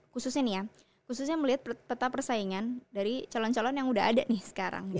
khususnya nih ya khususnya melihat peta persaingan dari calon calon yang udah ada nih sekarang